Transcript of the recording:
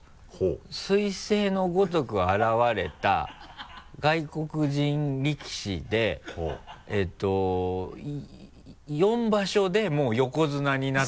すい星のごとく現れた外国人力士でえっと四場所でもう横綱になった。